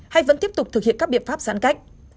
hay vẫn tiếp tục thực hiện các biện pháp giãn cách